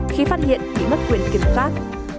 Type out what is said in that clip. khi phát hiện bị mất quyền kiểm pháp